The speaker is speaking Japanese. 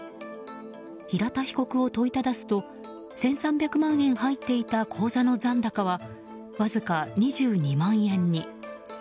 平田被告を問いただすと１３００万円入っていた口座の残高はわずか２２万円に。